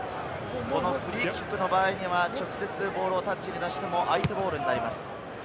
フリーキックの場合は直接ボールをタッチに出しても相手ボールになります。